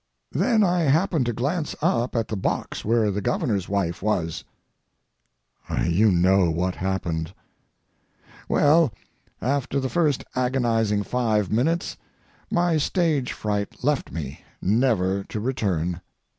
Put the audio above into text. Then I happened to glance up at the box where the Governor's wife was—you know what happened. Well, after the first agonizing five minutes, my stage fright left me, never to return.